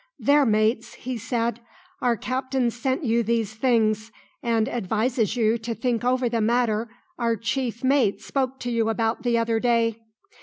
"There, mates," he said, "our captain sent you these things, and advises you to think over the matter our chief mate spoke to you about the other day.